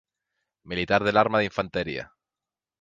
Militar del Arma de Infantería.